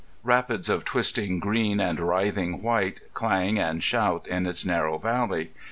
Rapids of twisting green and writhing white clang and shout in its narrow valley.